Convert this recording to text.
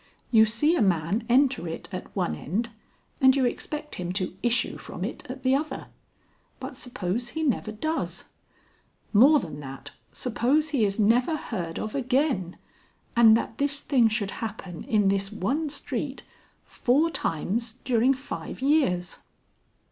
You see a man enter it at one end and you expect him to issue from it at the other. But suppose he never does. More than that, suppose he is never heard of again, and that this thing should happen in this one street four times during five years."